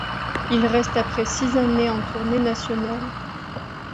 Il reste après six années en tournée nationale.